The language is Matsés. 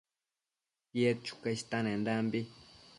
tied chuca istenendambi